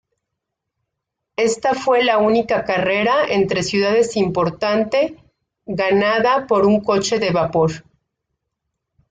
Esta fue la única carrera entre ciudades importante ganada por un coche de vapor.